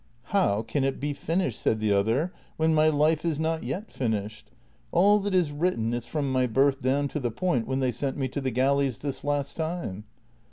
" How can it be finished," said the other, << when my life is not yet finished ?" All that is written is from my birth down to the point when they sent me to the galleys this last time."